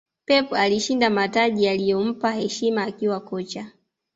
Pep alishinda mataji yaliyompa heshima akiwa kocha